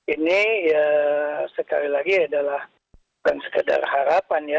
ini ya sekali lagi adalah bukan sekedar harapan ya